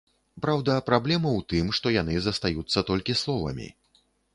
Праўда, праблема ў тым, што яны застаюцца толькі словамі.